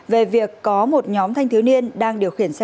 về việc có một nhóm thanh thiếu niên đang điều khiển xe